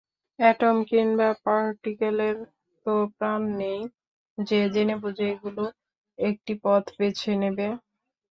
Atom কিংবা পার্টিকেলের তো প্রাণ নেই যে জেনেবুঝে এগুলো একটি পথ বেছে নেবে।